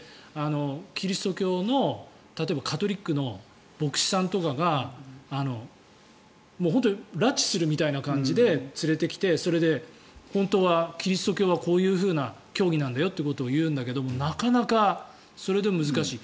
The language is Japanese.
キリスト教の、例えばカトリックの牧師さんとかが本当、拉致するみたいな感じで連れてきてそれで本当はキリスト教はこういうふうな教義なんだよということを言うんだけれどもなかなかそれでも難しい。